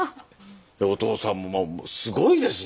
お父さんもすごいですね。